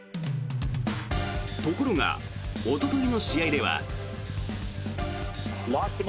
ところがおとといの試合では。